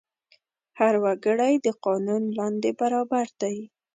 هر وګړی د قانون لاندې برابر دی.